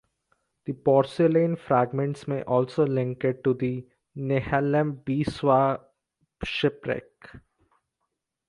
The porcelain fragments may also link it to the Nehalem Beeswax Shipwreck.